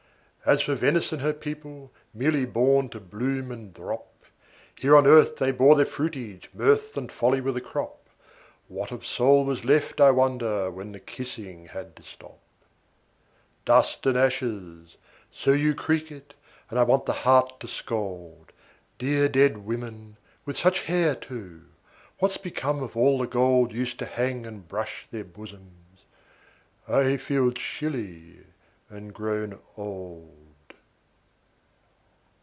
° °39 "As for Venice and her people, merely born to bloom and drop, 40 Here on earth they bore their fruitage, mirth and folly were the crop: What of soul was left, I wonder, when the kissing had to stop? "Dust and ashes!" So you creak it, and I want the heart to scold. Dear dead women, with such hair, too what's become of all the gold Used to hang and brush their bosoms? I feel chilly and grown old.